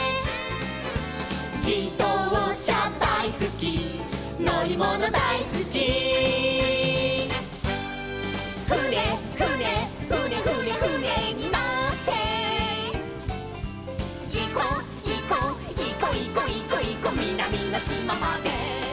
「じどうしゃだいすきのりものだいすき」「ふねふねふねふねふねにのって」「いこいこいこいこいこいこみなみのしままで」